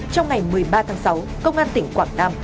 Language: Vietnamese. trong ngày một mươi ba tháng sáu công an tỉnh quảng nam